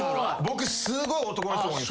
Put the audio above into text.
僕すごい男の人多い。